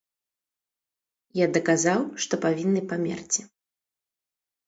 Я даказаў, што павінны памерці.